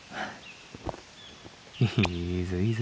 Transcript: いいぞいいぞ。